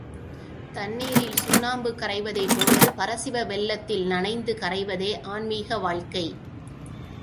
தண்ணிரில் சுண்ணாம்பு கரைவதைப்போல பரசிவ வெள்ளத்தில் நனைந்து கரைவதே ஆன்மீக வாழ்க்கை.